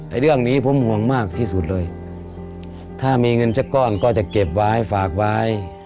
เรื่องนี้ผมห่วงมากที่สุดเลยถ้ามีเงินสักก้อนก็จะเก็บไว้ฝากไว้